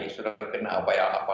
sudah kena apa apa